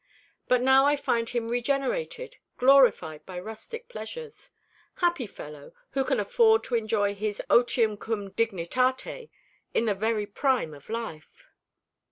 But now I find him regenerated, glorified by rustic pleasures. Happy fellow, who can afford to enjoy his otium cum dignitate in the very prime of life."